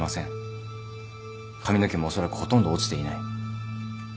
髪の毛もおそらくほとんど落ちていない。